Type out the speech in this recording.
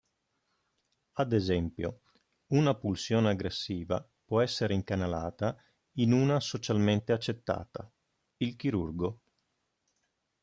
Ad esempio, una pulsione aggressiva può essere incanalata in una socialmente accettata: il chirurgo.